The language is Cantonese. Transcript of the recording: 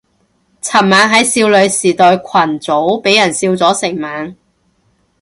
尋晚喺少女時代群組俾人笑咗成晚